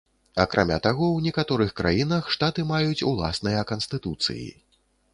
Акрамя таго, у некаторых краінах штаты маюць уласныя канстытуцыі.